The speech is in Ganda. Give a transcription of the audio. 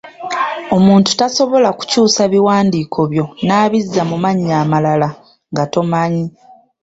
Omuntu tasobola kukyusa biwandiiko byo n’abizza mu mannya amalala nga tomanyi.